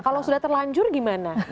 kalau sudah terlanjur gimana